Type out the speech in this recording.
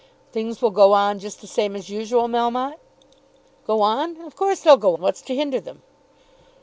"Things will go on just the same as usual, Melmotte?" "Go on. Of course they'll go. What's to hinder them?"